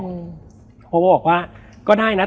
แล้วสักครั้งหนึ่งเขารู้สึกอึดอัดที่หน้าอก